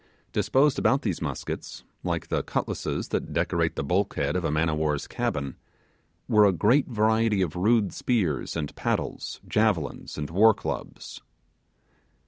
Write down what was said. Disposed about these muskets, like the cutlasses that decorate the bulkhead of a man of war's cabin, were a great variety of rude spears and paddles, javelins, and war clubs.